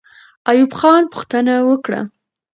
ایوب خان پوښتنه وکړه.